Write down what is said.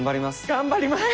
頑張ります！